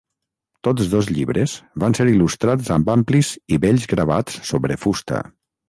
Tots dos llibres van ser il·lustrats amb amplis i bells gravats sobre fusta.